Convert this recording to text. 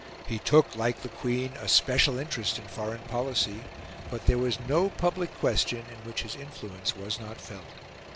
He took, like the Queen, a special interest in foreign policy; but there was no public question in which his influence was not felt.